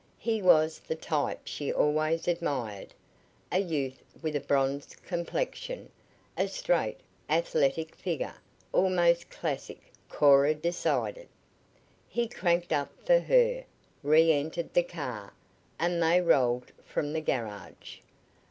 He was the type she always admired a youth with a bronze complexion a straight, athletic figure, almost classic, Cora decided. He cranked up for her, re entered the car, and they rolled from the garage.